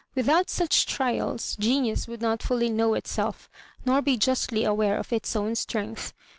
Without such trials genius would not rally know itself nor bo justly aware of its own strength.